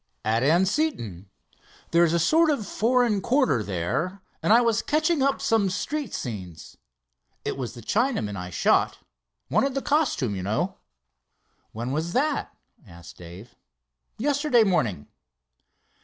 "At Anseton. There's a sort of foreign quarter there, and I was catching up some street scenes. It was the Chinaman I shot. Wanted the costume, you know." "When was that?" asked Dave. "Yesterday morning."